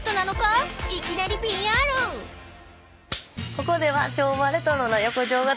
ここでは。